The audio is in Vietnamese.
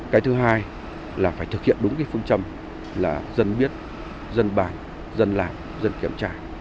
cái thứ hai là phải thực hiện đúng cái phương châm là dân biết dân bàn dân làm dân kiểm tra